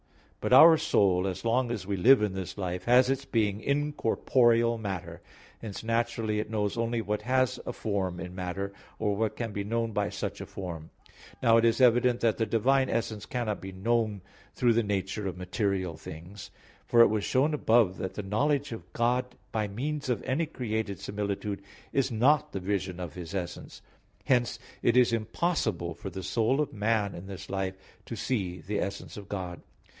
But our soul, as long as we live in this life, has its being in corporeal matter; hence naturally it knows only what has a form in matter, or what can be known by such a form. Now it is evident that the Divine essence cannot be known through the nature of material things. For it was shown above (AA. 2, 9) that the knowledge of God by means of any created similitude is not the vision of His essence. Hence it is impossible for the soul of man in this life to see the essence of God.